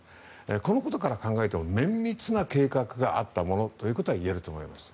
このことから考えても綿密な計画があったものということは言えると思います。